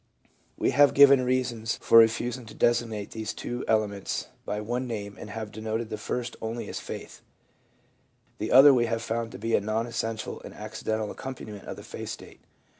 We have given reasons for refusing to designate these two elements by one name and have denominated the first only as Faith ; the other we have found to be a non essential and accidental accompaniment of the faith state.